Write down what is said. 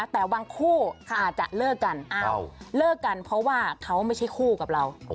แต่บางคู่อาจจะเลิกกันเลิกกันเพราะว่าเขาไม่ใช่คู่กับเรา